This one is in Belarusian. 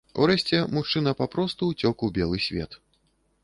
Урэшце мужчына папросту ўцёк у белы свет.